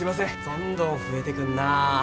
どんどん増えてくんなぁ。